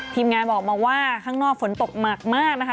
ทีมงานบอกมาว่าข้างนอกฝนตกหนักมากนะคะ